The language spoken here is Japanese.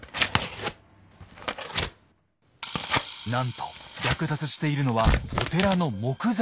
なんと略奪しているのはお寺の木材。